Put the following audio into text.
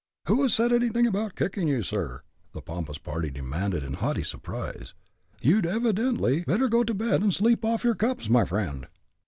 "Who has said anything about kicking you, sir?" the pompous party demanded, in haughty surprise. "You'd evidently better go to bed and sleep off your 'cups,' my friend."